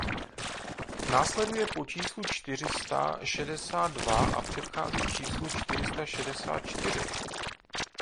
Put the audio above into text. Následuje po číslu čtyři sta šedesát dva a předchází číslu čtyři sta šedesát čtyři.